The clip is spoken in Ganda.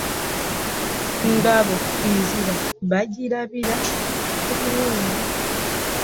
Ngabo nzira bagirabira ku biwundu.